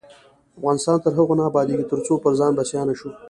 افغانستان تر هغو نه ابادیږي، ترڅو پر ځان بسیا نشو.